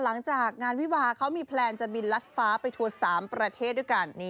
หลังจากงานวิวาเขามีแพลนจะบินลัดฟ้าไปทัวร์๓ประเทศด้วยกัน